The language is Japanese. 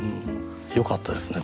よかったですね